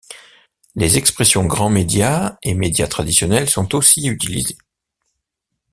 Les expressions grand média et média traditionnel sont aussi utilisées.